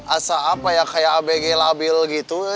asal apa ya kayak abg labil gitu